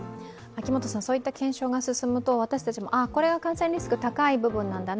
そういった検証が進むと、私たちも「これが感染リスク高い部分だな」